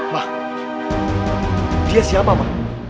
ma dia siapa ma